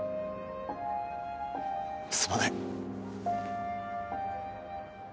すまない。